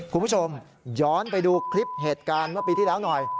คุณผู้ชมย้อนไปดูคลิปเหตุการณ์เมื่อปีที่แล้วหน่อย